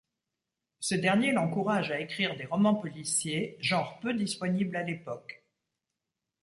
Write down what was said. Ce dernier l'encourage à écrire des romans policiers, genre peu disponible à l'époque.